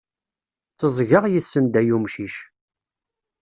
Teẓẓgeɣ, yessenday umcic.